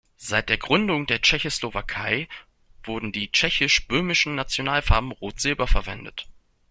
Seit der Gründung der Tschechoslowakei wurden die tschechisch-böhmischen Nationalfarben rot-silber verwendet.